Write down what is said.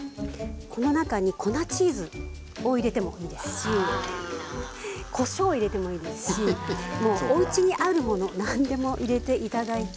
この中に粉チーズを入れてもいいですしこしょうを入れてもいいですしおうちにあるもの何でも入れていただいて。